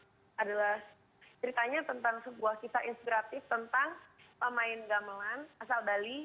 ini adalah ceritanya tentang sebuah kisah inspiratif tentang pemain gamelan asal bali